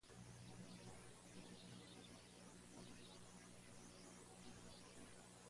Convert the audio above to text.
A continuación, un anciano y un astrólogo son asesinados exactamente de la misma manera.